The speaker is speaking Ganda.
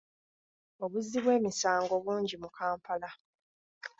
Obuzzi bw'emisango bungi mu Kampala.